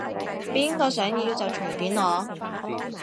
邊個想要就隨便攞